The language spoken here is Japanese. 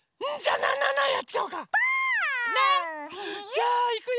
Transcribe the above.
じゃあいくよ。